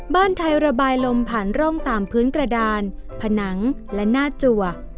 บ้านไทยระบายลมผ่านร่องตามพื้นกระดานผนังและหน้าจัว